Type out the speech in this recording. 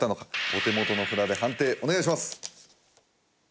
お手元の札で判定お願いします！